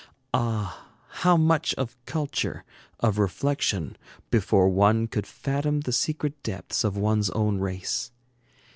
Ah, how much of culture, of reflection, before one could fathom the secret depths of one's own race!